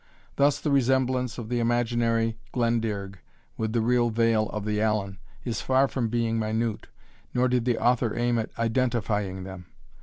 Thus the resemblance of the imaginary Glendearg with the real vale of the Allen, is far from being minute, nor did the author aim at identifying them.